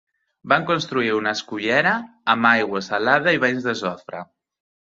Van construir una escullera, amb aigua salada i banys de sofre.